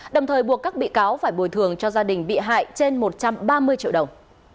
đồng thời buộc các bị cáo phải bồi thường cho gia đình bị hại trên một trăm ba mươi triệu đồng